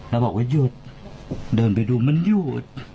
แล้วบอกว่าหยุดเดินไปดูมันหยุด